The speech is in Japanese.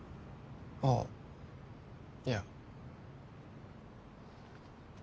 ああいや